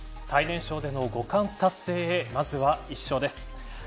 最年少での五冠達成へまずは１勝です。